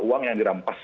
soal uang yang dirampas